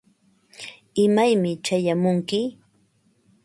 ¿imaymi chayamunki?